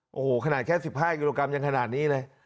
โอ้โหขนาดแค่๑๕กิโลกรัมยังขนาดนี้เลย